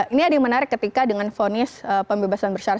ini ada yang menarik ketika dengan vonis pembebasan bersyarat